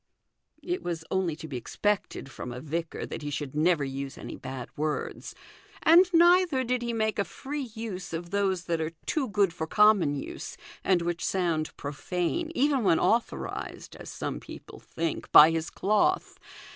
" It was only to be expected from a vicar that he should never use any bad words : and neither did he make a free use of those that are too good for common use, and which sound profane, even when authorized, as some people think, by his cloth.